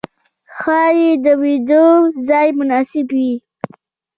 ښايې د ويدېدو ځای مناسب وي.